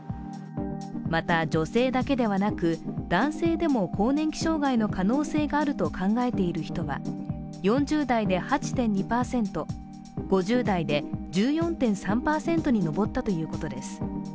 また、女性だけではなく男性でも更年期障害の可能性があると考えている人は４０代で８．２％、５０代で１４．３％に上ったということです。